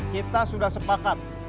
kita akan berbicara sama dia